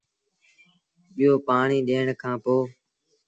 ٻيو پآڻيٚ ڏيٚڻ کآݩ پو